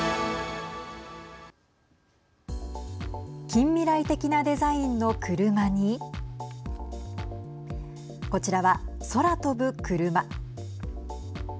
近未来的なデザインの車にこちらは、空飛ぶ車。